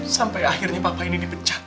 sampai akhirnya papa ini dipecat